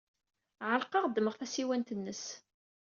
Ɛerqeɣ, ddmeɣ tasiwant-nnes.